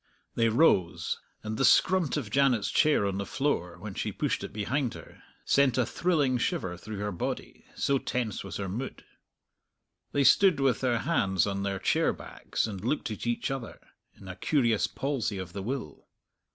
They rose, and the scrunt of Janet's chair on the floor, when she pushed it behind her, sent a thrilling shiver through her body, so tense was her mood. They stood with their hands on their chair backs, and looked at each other, in a curious palsy of the will.